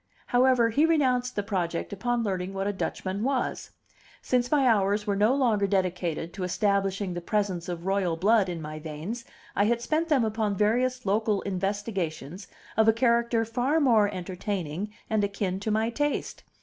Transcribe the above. However, he renounced the project upon learning what a Dutchman was. Since my hours were no longer dedicated to establishing the presence of royal blood in my veins I had spent them upon various local investigations of a character far more entertaining and akin to my taste.